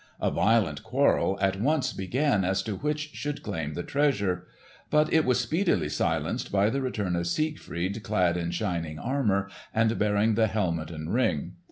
A violent quarrel at once began as to which should claim the treasure, but it was speedily silenced by the return of Siegfried clad in shining armour and bearing the helmet and Ring.